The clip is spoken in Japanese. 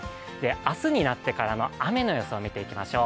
明日になってからの雨の予想見ていきましょう。